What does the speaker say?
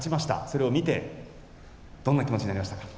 それを見てどんな気持ちになりましたか？